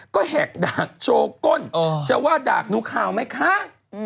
ก็แหกด่ากโชว์ก้นจะว่าดากหนูข่าวไหมคะ